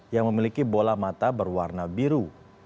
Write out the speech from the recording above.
yang memiliki bola mata berwarna biru